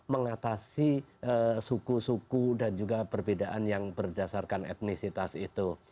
mengatasi suku suku dan juga perbedaan yang berdasarkan etnisitas itu